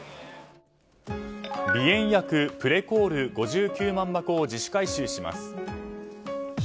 鼻炎薬プレコール５９万箱を自主回収します。